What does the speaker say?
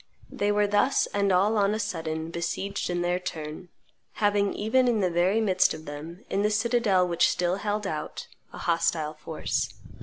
They were thus and all on a sudden besieged in their turn, having even in the very midst of them, in the citadel which still held out, a hostile force.